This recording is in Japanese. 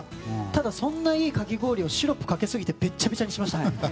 ただ、そんないいかき氷をシロップかけすぎてべちゃべちゃにしましたね。